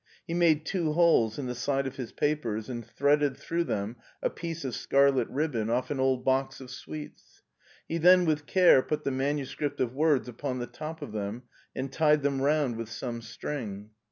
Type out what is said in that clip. He made two holes in the side of his papers and threaded through them a piece of scarlet ribbon off an old box of sweets. He then with care put the manuscript of words upon the top of them, and tied them round with some string.